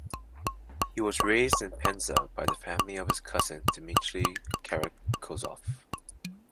He was raised in Penza by the family of his cousin Dmitry Karakozov.